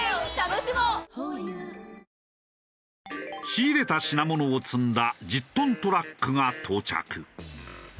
仕入れた品物を積んだ１０トントラックが到着。